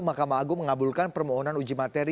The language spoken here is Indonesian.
mahkamah agung mengabulkan permohonan uji materi